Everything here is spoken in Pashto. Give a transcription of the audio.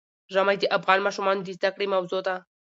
ژمی د افغان ماشومانو د زده کړې موضوع ده.